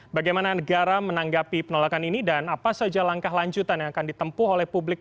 bagaimana negara menanggapi penolakan ini dan apa saja langkah lanjutan yang akan ditempuh oleh publik